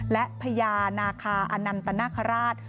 และพญานาคาอนันตนาคาราช